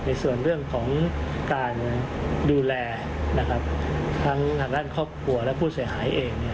ในส่วนเรื่องของการดูแลนะครับทั้งหักรัฐครอบครัวและผู้เสียหายเอง